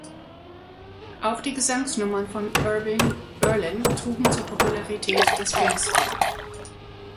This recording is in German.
Auch die Gesangsnummern von Irving Berlin trugen zur Popularität des Films bei.